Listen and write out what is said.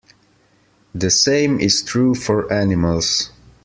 The same is true for animals.